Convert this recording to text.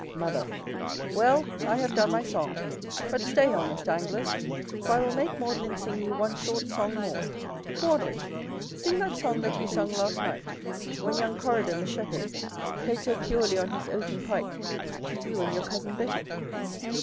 Mother. Well! I have done my song. But stay, honest anglers; for I will make Maudlin sing you one short song more. Maudlin! sing that song that you sung last night, when young Coridon the shepherd played so purely on his oaten pipe to you and your cousin Betty.